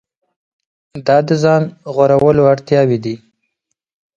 دا د ځان غوړولو اړتیاوې دي.